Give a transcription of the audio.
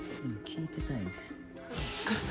聞いてたいねん。